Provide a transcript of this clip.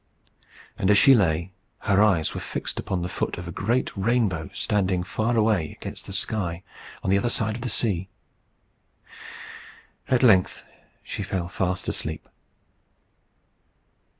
And as she lay, her eyes were fixed upon the foot of a great rainbow standing far away against the sky on the other side of the sea. At length she fell fast asleep.